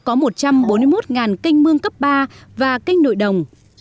có một trăm bốn mươi một kênh mương cấp ba và kênh nội đồng